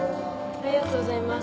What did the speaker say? ありがとうございます。